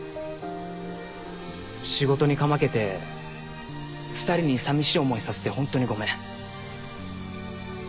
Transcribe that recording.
仕事にかまけて２人にさみしい思いさせてホントにごめん。